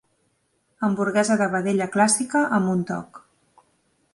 Hamburguesa de vedella clàssica amb un toc.